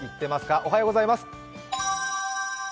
おはようございます。